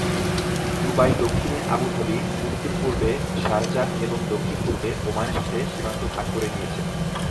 Dubai দক্ষিণে Abu Dhabi, উত্তর-পূর্বে Sharjah এবং দক্ষিণ-পূর্বে ওমানের সাথে সীমান্ত ভাগ করে নিয়েছে।